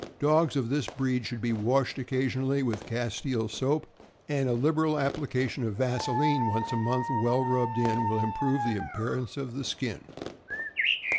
Dogs of this breed should be washed occasionally with castile soap, and a lib eral application of vaseline once a month, well rubbed in, will improve the appearance of the skin.